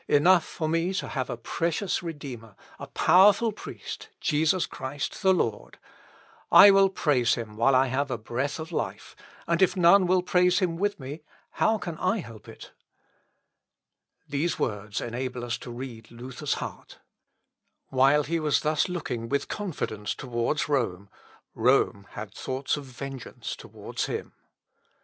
Enough for me to have a precious Redeemer, a powerful Priest, Jesus Christ the Lord! I will praise him while I have a breath of life; and if none will praise him with me, how can I help it?" "Qui pauper est nihil timet, nihil potest perdere." (Ibid., p. 118.) These words enable us to read Luther's heart. While he was thus looking with confidence towards Rome, Rome had thoughts of vengeance towards him.